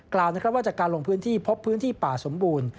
กล่าวว่าจากการลงพื้นที่พบพื้นที่ป่าสมบูรณ์